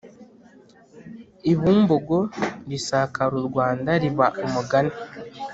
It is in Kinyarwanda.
i Bumbogo risakara u Rwanda riba umugani.